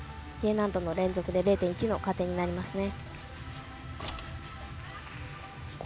Ｄ難度の連続で０．１の加点になりますね。